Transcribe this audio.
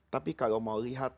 tapi kalau mau lihat